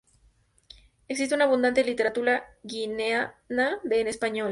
Existe una abundante literatura guineana en español.